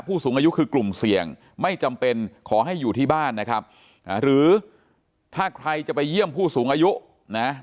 สูงอายุคือกลุ่มเสี่ยงไม่จำเป็นขอให้อยู่ที่บ้านนะครับหรือถ้าใครจะไปเยี่ยมผู้สูงอายุนะ